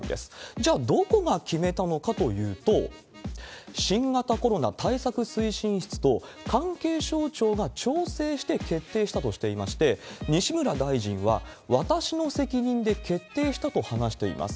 じゃあ、どこが決めたのかというと、新型コロナ対策推進室と、関係省庁が調整して決定したとしていまして、西村大臣は、私の責任で決定したと話しています。